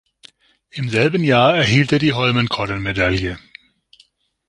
Im selben Jahr erhielt er die Holmenkollen-Medaille.